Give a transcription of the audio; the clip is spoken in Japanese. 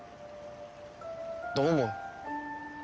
どう思う？